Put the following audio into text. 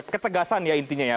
ketegasan ya intinya ya